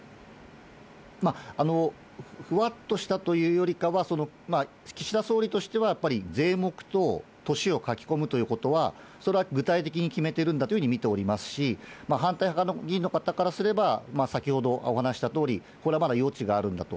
まあ、ふわっとしたというよりかは、岸田総理としては、やっぱり税目と年を書き込むということは、それは具体的に決めてるんだというふうに見ておりますし、反対派の議員の方からすれば、先ほど話したとおり、これはまだ余地があるんだと。